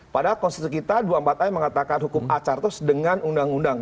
padahal konstitusi kita dua puluh empat aya mengatakan hukum acara itu dengan undang undang